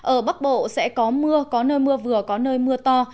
ở bắc bộ sẽ có mưa có nơi mưa vừa có nơi mưa to